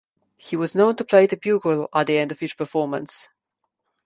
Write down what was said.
He was known to play the bugle at the end of each performance.